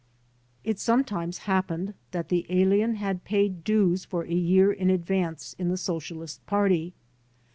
It sometimes happened that the alien had paid dues for a year in advance in the Socialist Party.